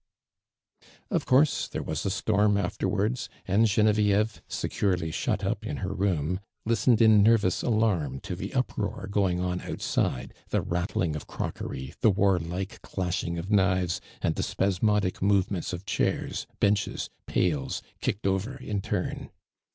Of course there was a storm afterwar(i i, and Genevieve, securely shut up in ho room, listened in nervous alarm to tho uproar going on outside, the rattling of crockery, the warlike clashing of knives, and the spasmodic movements of chairs, ben ches, pails, kicked over in turn.